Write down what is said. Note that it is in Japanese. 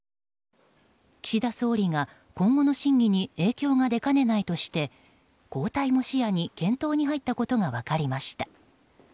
岸田総理が、今後の審議に影響が出かねないとして交代も視野に検討に入ったことが分かりました。